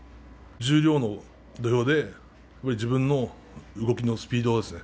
十両の土俵で自分の動きのスピードですね。